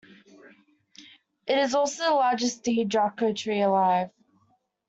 It is also the largest "D. draco" tree alive.